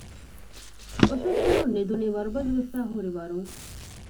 އޮށޮއޮތްތަނުން ނިދުނީ ވަރުބަލިވެފައިހުރިވަރުން